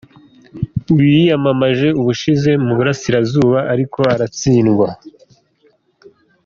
Uyu yiyamamaje ubushize mu Burasirazuba ariko aratsindwa.